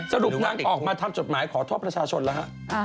สรุปนางออกมาทำจดหมายขอโทษประชาชนแล้วฮะ